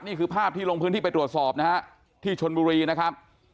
นี่คือภาพที่ลงพื้นที่ไปตรวจสอบนะฮะที่ชนบุรีนะครับ